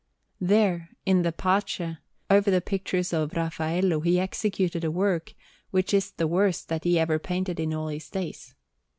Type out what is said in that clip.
There, in the Pace, over the pictures of Raffaello, he executed a work which is the worst that he ever painted in all his days.